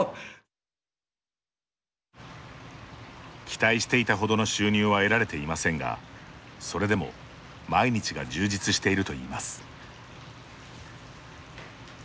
期待していたほどの収入は得られていませんがそれでも毎日が充実しているといいます。